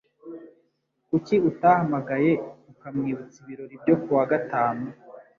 Kuki utahamagaye ukamwibutsa ibirori byo kuwa gatanu?